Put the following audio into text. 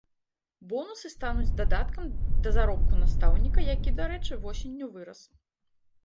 Бонусы стануць дадаткам да заробку настаўніка, які, дарэчы, восенню вырас.